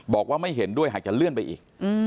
บอกว่าไม่เห็นด้วยหากจะเลื่อนไปอีก